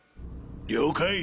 了解！